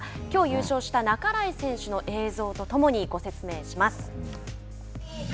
きょう優勝した半井選手の映像とともにご説明します。